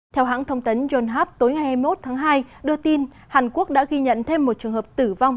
theo hãng thông tấn yonhap tối ngày hai mươi một tháng hai đưa tin hàn quốc đã ghi nhận thêm một trường hợp tử vong